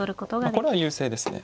これは優勢ですね。